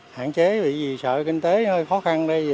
hạn chế vì sợ kinh tế hơi khó khăn đây